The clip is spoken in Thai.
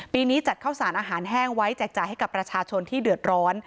นี้จัดข้าวสารอาหารแห้งไว้แจกจ่ายให้กับประชาชนที่เดือดร้อน